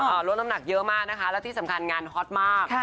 ลดน้ำหนักเยอะมากนะคะและที่สำคัญงานฮอตมาก